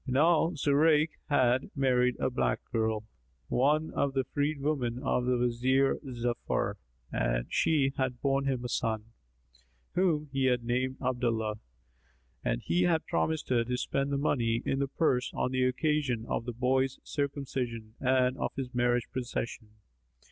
Now Zurayk had married a black girl, one of the freed women of the Wazir Ja'afar and she had borne him a son, whom he named Abdallah, and he had promised her to spend the money in the purse on the occasion of the boy's circumcision and of his marriage procession.